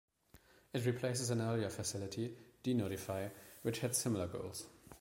It replaces an earlier facility, dnotify, which had similar goals.